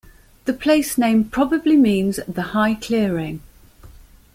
The place name probably means "the high clearing".